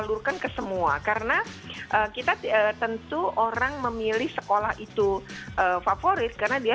salurkan ke semua karena kita tentu orang memilih sekolah itu favorit karena dia